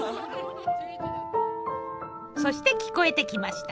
そして聞こえてきました！